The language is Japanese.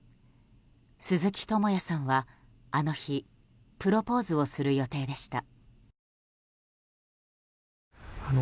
鈴木智也さんは、あの日プロポーズをする予定でした。